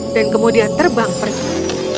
dan kemudian terbang pergi